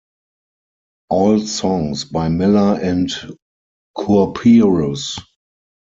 All songs by Miller and Kurperus.